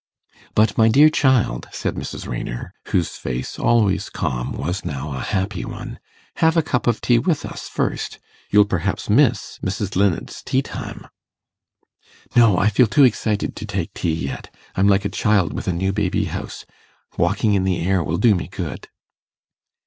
'But, my dear child,' said Mrs. Raynor, whose face, always calm, was now a happy one, 'have a cup of tea with us first. You'll perhaps miss Mrs. Linnet's tea time.' 'No, I feel too excited to take tea yet. I'm like a child with a new baby house. Walking in the air will do me good.